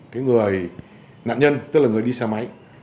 cái người nạn nhân tức là người đi xe máy